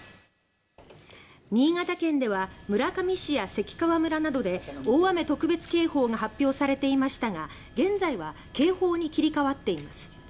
新潟県では村上市や関川村などで大雨特別警報が発表されていましたが現在は警報に切り替わっています。